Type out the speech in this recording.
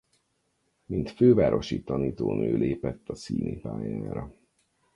Mint fővárosi tanítónő lépett a színipályára.